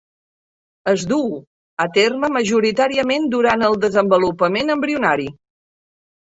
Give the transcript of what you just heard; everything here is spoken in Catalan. Es duu a terme majoritàriament durant el desenvolupament embrionari.